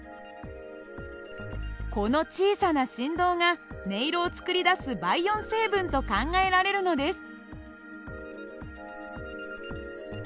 この小さな振動が音色を作り出す倍音成分と考えられるのです。